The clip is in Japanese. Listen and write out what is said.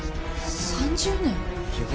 ３０年？